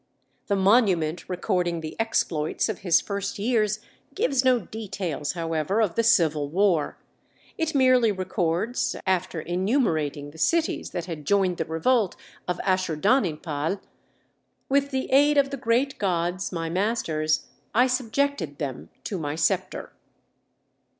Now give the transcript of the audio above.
The monument recording the exploits of his first years gives no details, however, of the civil war; it merely records, after enumerating the cities that had joined the revolt of Asshurdaninpal, "With the aid of the great gods, my masters, I subjected them to my sceptre."